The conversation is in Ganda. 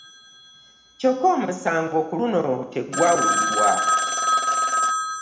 Kyokka omusango ku luno tegwawulirwa